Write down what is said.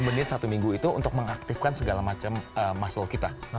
dua puluh menit satu minggu itu untuk mengaktifkan segala macam muscle kita